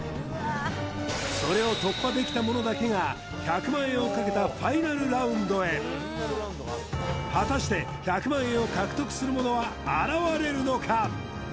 それを突破できた者だけが１００万円をかけたＦＩＮＡＬラウンドへ果たして１００万円を獲得する者は現れるのか？